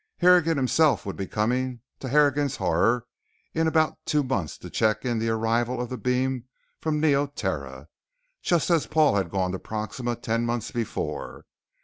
Harrigan himself would be coming to Harrigan's Horror in about two months to check in the arrival of the beam from Neoterra, just as Paul had gone to Proxima ten months before.